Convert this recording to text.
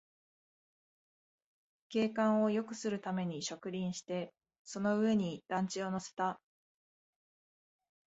景観をよくするために植林して、その上に団地を乗せた